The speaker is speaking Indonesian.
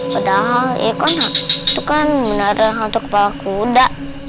padahal ya kan itu kan beneran hantu berkepala kuda